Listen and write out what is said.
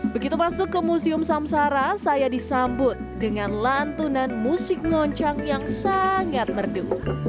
begitu masuk ke museum samsara saya disambut dengan lantunan musik ngoncang yang sangat merdu